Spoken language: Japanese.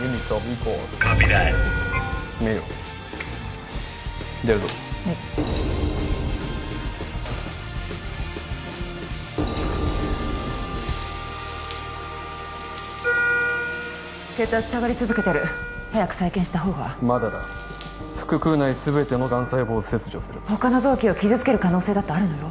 メイヨー出るぞはい血圧下がり続けてる早く再建した方がまだだ腹腔内すべてのがん細胞を切除する他の臓器を傷つける可能性だってあるのよ